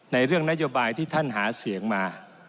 ในเรื่องนโยบายที่ท่านหาเสียงมา